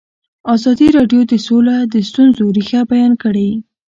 ازادي راډیو د سوله د ستونزو رېښه بیان کړې.